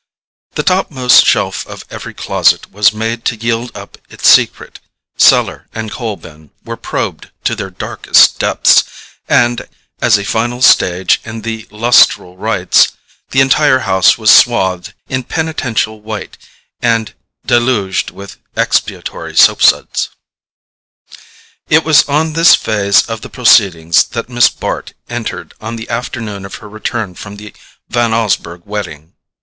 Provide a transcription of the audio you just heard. The topmost shelf of every closet was made to yield up its secret, cellar and coal bin were probed to their darkest depths and, as a final stage in the lustral rites, the entire house was swathed in penitential white and deluged with expiatory soapsuds. It was on this phase of the proceedings that Miss Bart entered on the afternoon of her return from the Van Osburgh wedding.